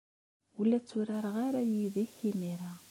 Ur la tturareɣ ara yid-k imir-a.